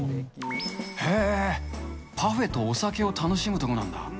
へー、パフェとお酒を楽しむところなんだ。